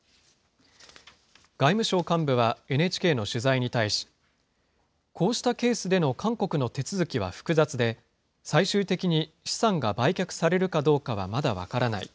外務省幹部はＮＨＫの取材に対し、こうしたケースでの韓国の手続きは複雑で、最終的に資産が売却されるかどうかはまだ分からない。